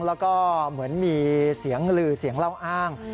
แล้วก็เหมือนมีเสียงลือเสียงเล่าอ้าง